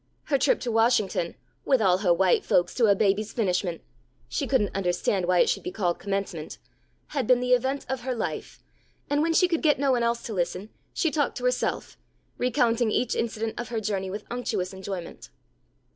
Her trip to Washington "with all her white folks, to her baby's Finishment" (she couldn't understand why it should be called Commencement), had been the event of her life; and when she could get no one else to listen, she talked to herself, recounting each incident of her journey with unctuous enjoyment.